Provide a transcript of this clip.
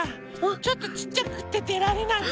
ちょっとちっちゃくってでられないの。